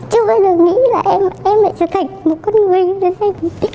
chưa bao giờ nghĩ là em lại trở thành một con người như thế